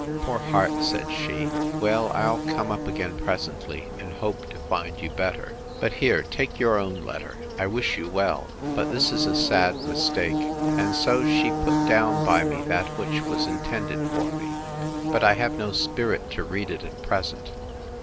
—Poor heart! said she; Well, I'll come up again presently, and hope to find you better. But here, take your own letter; I wish you well; but this is a sad mistake! And so she put down by me that which was intended for me: But I have no spirit to read it at present.